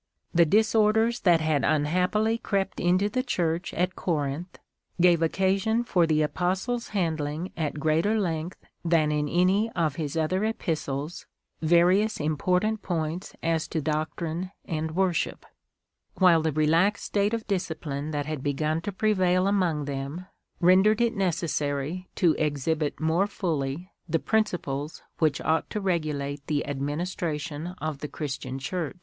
The disorders that had unhappily crept into the Church at Corinth, gave occasion for the Apostle's handling at greater length than in any of his other Epistles various important points as to doctrine and worship ; while the relaxed state of discipline that had begun to prevail among them rendered it necessary to exhibit more fully the principles which ought to regulate the administration of the Christian Church.